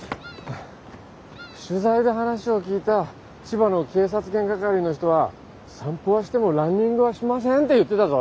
取材で話を聞いた千葉の警察犬係の人は「散歩はしてもランニングはしません」って言ってたぞ。